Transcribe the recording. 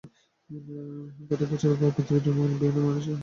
প্রত্যেক বছর পৃথিবীর বিভিন্ন দেশ থেকে হাজারো মানুষ নেপাল ভ্রমণ করে।